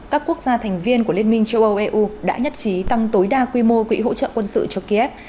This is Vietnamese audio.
các quốc gia thành viên của liên minh châu âu eu đã nhất trí tăng tối đa quy mô quỹ hỗ trợ quân sự cho kiev